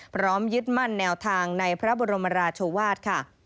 พร้อมยึดมั่นแนวทางในพระบรมราชวาสค่ะ